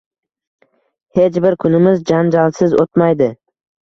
Hech bir kunimiz janjalsiz o`tmaydi